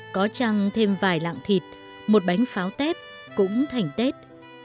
có trăng thêm vài lạng thịt một bánh pháo tép cũng thành tết